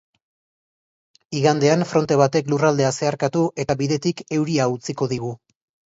Igandean fronte batek lurraldea zeharkatu eta bidetik euria utziko digu.